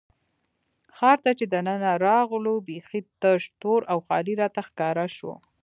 ښار ته چې دننه راغلو، بېخي تش، تور او خالي راته ښکاره شو.